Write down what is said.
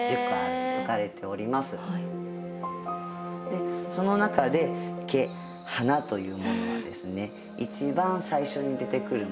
でその中で華花というものはですね一番最初に出てくるもの。